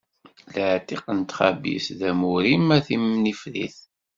Laɛtiq n txabit d amur-im a timnifrit.